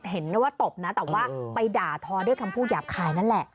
เห็นว่าตบนะแต่ว่าไปด่าทอด้วยคำพูดหยาบคายนั่นแหละ